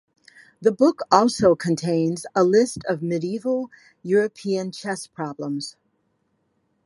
The book also contains a list of medieval European chess problems.